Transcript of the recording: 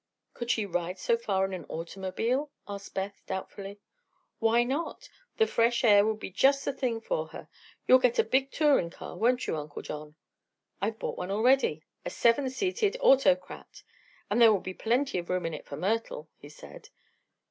"Could she ride so far in an automobile?" asked Beth, doubtfully. "Why not? The fresh air would be just the thing for her. You'll get a big touring car, won't you, Uncle John?" "I've bought one already a seven seated 'Autocrat' and there will be plenty of room in it for Myrtle," he said.